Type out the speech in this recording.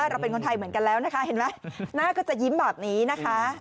เราเป็นคนไทยเหมือนกันแล้วนะคะเห็นไหมหน้าก็จะยิ้มแบบนี้นะคะ